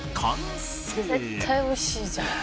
「絶対美味しいじゃん」